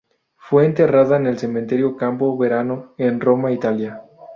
Fue enterrada en el Cementerio Campo Verano, en Roma, Italia.